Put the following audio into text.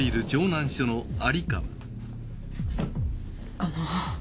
あの。